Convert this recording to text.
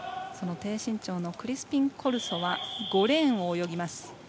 低身長のクリスピンコルソは５レーンを泳ぎます。